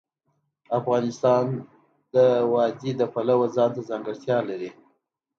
افغانستان د وادي د پلوه ځانته ځانګړتیا لري.